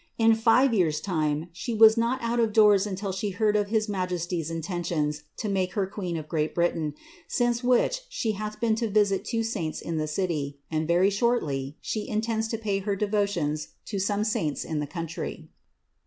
In five years^ time she was not out of doors nntil shs ■ heard of his majesty's intentions to make her queen of Great Britain, since which she hath been to visit two saints in the city, and very shortly • she intends to pay her devotions to some saints in the country.''